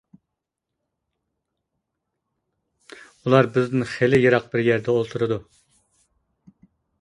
ئۇلار بىزدىن خېلى يىراق بىر يەردە ئولتۇرىدۇ.